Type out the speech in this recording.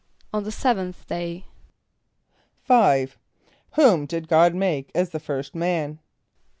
=On the seventh day.= =5.= Whom did God make as the first man?